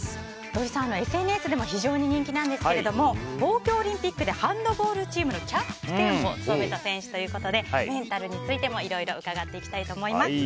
土井さんはＳＮＳでも非常に人気なんですが東京オリンピックでハンドボールチームのキャプテンを務めた選手ということでメンタルについてもいろいろ伺っていきたいと思います。